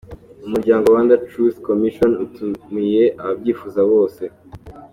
Umuryango Rwanda Truth Commission utumiye ababyifuza bose mu